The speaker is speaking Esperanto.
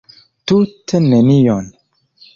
Tute nenion.